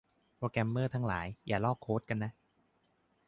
โปรแกรมเมอร์ทั้งหลาย อย่าลอกโค้ดกันนะ